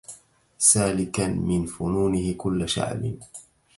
سالكا من فنونه كل شعب